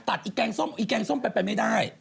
ตัดอีแกงส้มไปไม่ได้